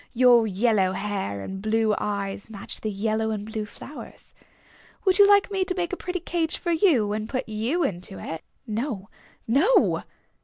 "Your yellow hair and blue eyes match the yellow and blue flowers. Would you like me to make a pretty cage for you and put you into it?" "No, no!"